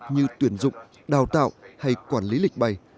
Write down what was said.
như tuyển dụng đào tạo hay quản lý lịch bay